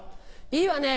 いいわね。